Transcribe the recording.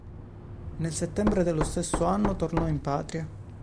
Nel settembre dello stesso anno tornò in patria.